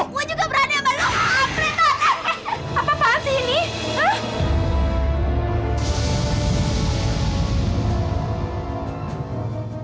aku jahat aku kurang ajar sama lu